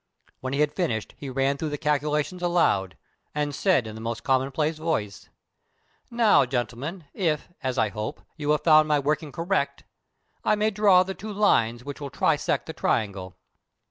When he had finished he ran through the calculations aloud, and said in the most commonplace voice: "Now, gentlemen, if, as I hope, you have found my working correct, I may draw the two lines which will trisect the triangle."